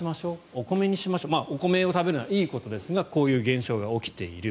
お米にしましょうお米を食べるのはいいことですがこういう現象が起きている。